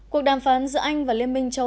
cuộc đàm phán giữa anh và liên minh chính phủ